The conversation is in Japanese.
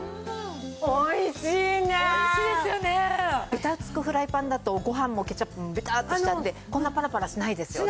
ベタつくフライパンだとご飯もケチャップもベターッとしちゃってこんなパラパラしないですよね。